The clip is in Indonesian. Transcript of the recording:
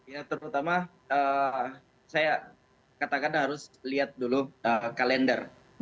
ya terutama saya katakan harus lihat dulu kalender